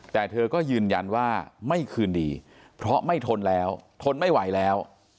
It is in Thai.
แต่เธอก็ยืนยันว่าไม่คืนดีเพราะไม่ทนแล้วทนไม่ไหวแล้ว